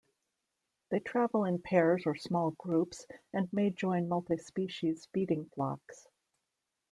They travel in pairs or small groups, and may join multi-species feeding flocks.